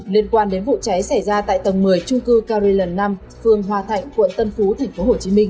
liên quan đến vụ cháy xảy ra tại tầng một mươi trung cư carilan năm phường hòa thạnh quận tân phú tp hcm